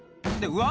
うわ！